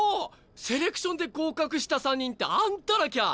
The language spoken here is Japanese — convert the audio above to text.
セレクションで合格した３人ってあんたらきゃー！